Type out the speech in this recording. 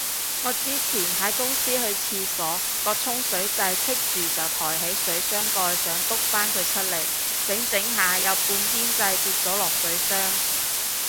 我之前喺公司去廁所，個沖水掣棘住就抬起水箱蓋想篤返佢出嚟，整整下有半邊掣跌咗落水箱